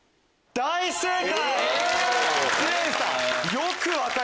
大正解！